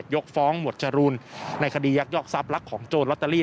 ยกฟ้องหมวดจรูนในคดียักยอกทรัพย์รักของโจรลอตเตอรี่